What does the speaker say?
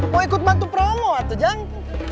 mau ikut bantu promo atau jang